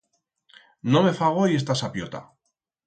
No me fa goi esta sapiota.